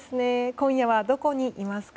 今夜はどこにいますか？